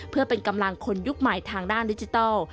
เพื่อเป็นกำลังคนยุคใหม่ทางด้านดิจิทัล